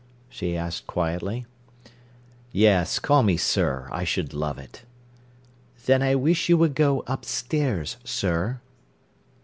she asked quietly. "Yes, call me 'sir'. I should love it." "Then I wish you would go upstairs, sir."